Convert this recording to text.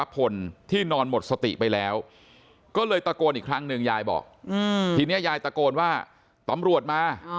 พอตะโกนว่าตำรวจมา